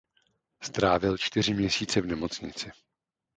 Strávil čtyři měsíce v nemocnici.